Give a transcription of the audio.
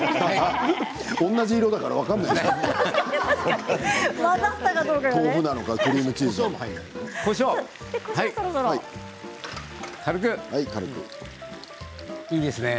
同じ色だから分からないですよね。